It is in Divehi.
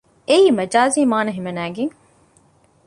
އެއީ މަޖާޒީ މާނަ ހިމަނައިގެން